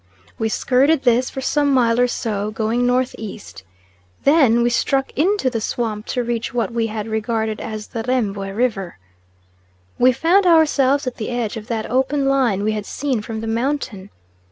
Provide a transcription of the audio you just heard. We skirted this for some mile or so, going N.E. Then we struck into the swamp, to reach what we had regarded as the Rembwe river. We found ourselves at the edge of that open line we had seen from the mountain.